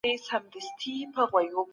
کورنۍ مشر بايد خپلو غړو ته ښو بلنه ورکړي.